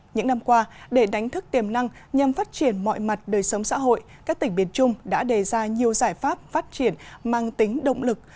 những năm qua để đánh thức tiềm năng nhằm phát triển mọi mặt đời sống xã hội các tỉnh biển trung đã đề ra nhiều giải pháp phát triển mang tính động lực